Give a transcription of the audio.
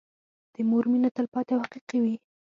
د مور مينه تلپاتې او حقيقي وي.